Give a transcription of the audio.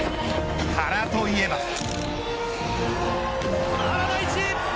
原といえば。